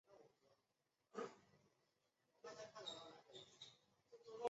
白腹黑啄木鸟为啄木鸟科黑啄木鸟属的鸟类。